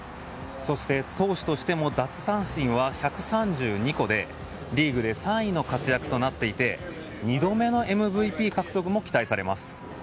そして、投手としても奪三振は１３２個でリーグで３位の活躍で２度目のＭＶＰ獲得も期待されます。